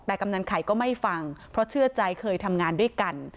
แต่กำนันไข่ก็ไม่ฟังเพราะเชื่อใจเคยทำงานด้วยกัน